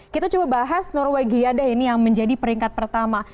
kita coba bahas norwegia deh ini yang menjadi peringkat pertama